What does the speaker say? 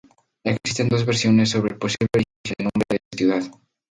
Existen dos versiones sobre el posible origen del nombre de esta ciudad.